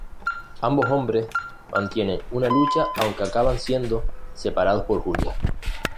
Ambos hombres mantienen una lucha aunque acaban siendo separados por Julia.